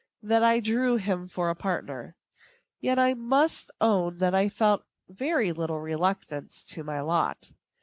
that I drew him for a partner. Yet I must own that I felt very little reluctance to my lot.